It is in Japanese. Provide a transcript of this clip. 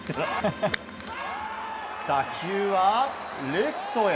打球はレフトへ。